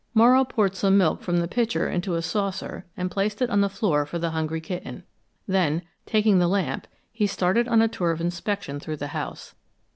Morrow poured some milk from the pitcher into a saucer and placed it on the floor for the hungry kitten; then, taking the lamp, he started on a tour of inspection through the house.